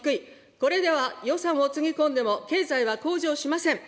これでは、予算をつぎ込んでも経済は向上しません。